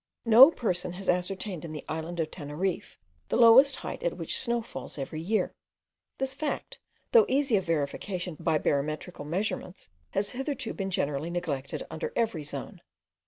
No person has ascertained in the island of Teneriffe, the lowest height at which snow falls every year. This fact, though easy of verification by barometrical measurements, has hitherto been generally neglected under every zone.